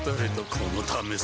このためさ